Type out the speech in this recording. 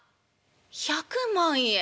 「１００万円？